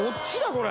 これ。